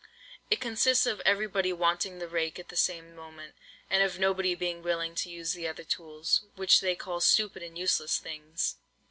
It consists of everybody wanting the rake at the same moment, and of nobody being willing to use the other tools, which they call stupid and useless things.